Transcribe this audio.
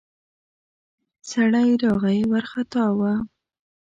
سړی راغی ، وارختا و.